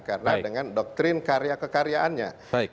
karena dengan doktrin karya kekaryanya